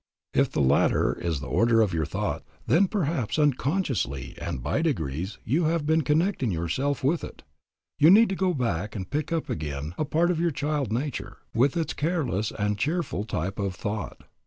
If the latter is the order of your thought, then perhaps unconsciously and by degrees you have been connecting yourself with it. You need to go back and pick up again a part of your child nature, with its careless and cheerful type of thought.